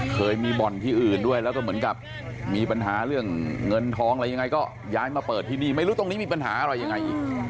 เคยมีบ่อนที่อื่นด้วยแล้วก็เหมือนกับมีปัญหาเรื่องเงินทองอะไรยังไงก็ย้ายมาเปิดที่นี่ไม่รู้ตรงนี้มีปัญหาอะไรยังไงอีก